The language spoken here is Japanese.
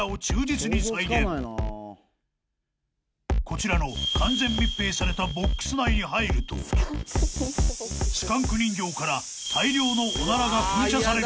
［こちらの完全密閉されたボックス内に入るとスカンク人形から］